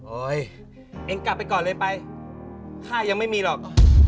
โอยเองกลับไปก่อนเลยนะไปถ้ายังไม่มีหลอก